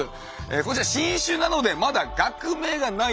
こちら新種なのでまだ学名がないです。